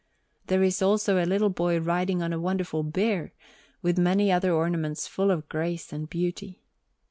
There is also a little boy riding on a wonderful bear, with many other ornaments full of grace and beauty.